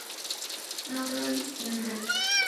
Naturalist", y en "Rep.